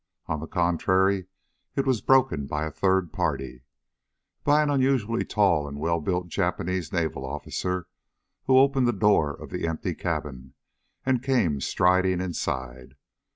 On the contrary, it was broken by a third party. By an unusually tall, and well built Japanese Navy officer who opened the door of the empty cabin and came striding inside.